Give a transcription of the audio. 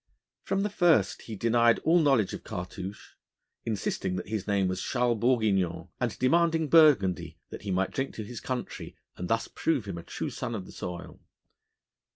From the first he denied all knowledge of Cartouche, insisting that his name was Charles Bourguignon, and demanding burgundy, that he might drink to his country and thus prove him a true son of the soil.